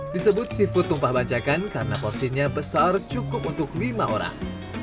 disebut seafood tumpah banjakan karena porsinya besar cukup untuk lima orang